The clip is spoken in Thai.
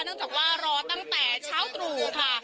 เนื่องจากว่ารอตั้งแต่เช้าตรู่ค่ะ